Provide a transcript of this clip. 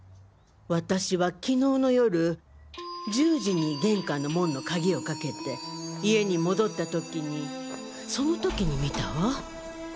私は昨日の夜１０時に玄関の門の鍵をかけて家に戻った時にその時に見たわ。